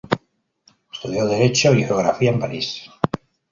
Estudió Derecho y Geografía en París.